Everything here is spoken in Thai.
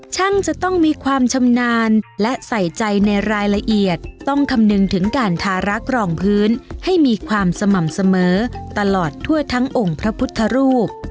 ช่างจะต้องมีความชำนาญและใส่ใจในรายละเอียดต้องคำนึงถึงการทารักรองพื้นให้มีความสม่ำเสมอตลอดทั่วทั้งองค์พระพุทธรูป